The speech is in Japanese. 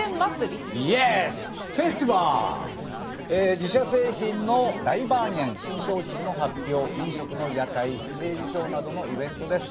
自社製品の大バーゲン新商品の発表飲食の屋台ステージショーなどのイベントです。